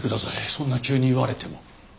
そんな急に言われても。